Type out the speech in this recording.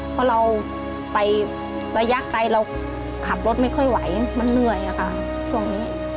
เพราะเราไประยะไกลเราขับรถไม่ค่อยไหวมันเหนื่อยอะค่ะช่วงนี้